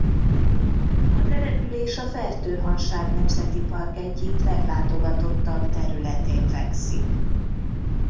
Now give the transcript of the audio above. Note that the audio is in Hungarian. A település a Fertő-Hanság Nemzeti Park egyik leglátogatottabb területén fekszik.